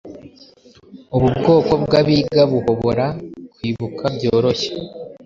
Ubu bwoko bwabiga buhobora kwibuka byorohye